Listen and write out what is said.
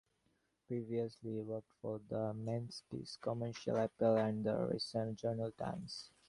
Previously he worked for the "Memphis Commercial Appeal" and the "Racine Journal-Times".